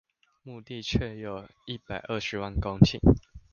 牧地卻有一百二十萬公頃